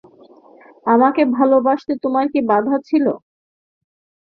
আমাকে ভালোবাসিতে তোমার কী বাধা ছিল।